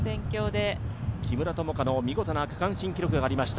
木村友香の見事な区間新記録がありました。